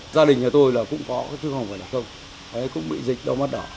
gia đình nhà tôi cũng có chứ không phải là không cũng bị dịch đau mắt đỏ